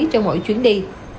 trong mỗi chuyến đi